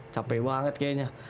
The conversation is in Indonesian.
capek banget kayaknya